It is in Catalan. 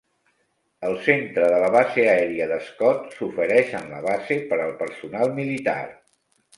El centre de la base aèria de Scott s'ofereix en la base per al personal militar.